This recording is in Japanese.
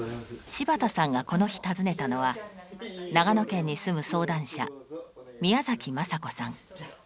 柴田さんがこの日訪ねたのは長野県に住む相談者宮崎政子さん。